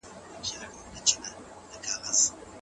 زه ډېر لاسي کارونه کوم .